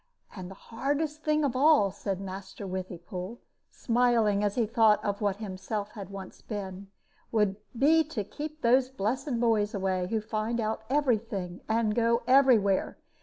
And the hardest thing of all, said Master Withypool, smiling as he thought of what himself had once been, would be to keep those blessed boys away, who find out every thing, and go every where.